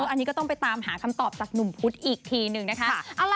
อันนี้ก็ต้องไปตามหาคำตอบจากหนุ่มพุธอีกทีหนึ่งนะคะ